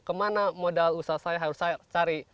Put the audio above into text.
ke mana modal usaha saya harus saya cari